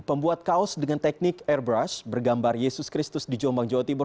pembuat kaos dengan teknik airbrush bergambar yesus kristus di jombang jawa timur